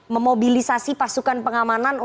memobilisasi pasukan pengamanan untuk